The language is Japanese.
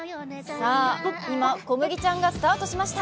さあ、今、コムギちゃんがスタートしました。